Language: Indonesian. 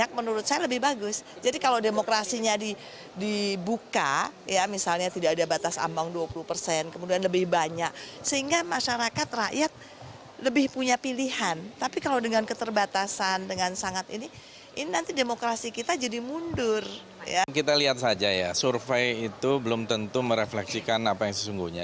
kalau kita lihat saja ya survei itu belum tentu merefleksikan apa yang sesungguhnya